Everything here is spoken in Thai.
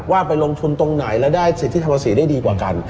ว่าไปลงทุนตรงไหนและได้สิทธิทำภาษีได้ดีกว่ากัน